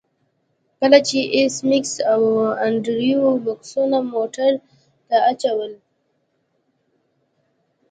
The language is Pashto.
کله چې ایس میکس او انډریو بکسونه موټر ته اچول